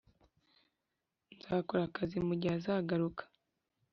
nzakora akazi mugihe azagaruka.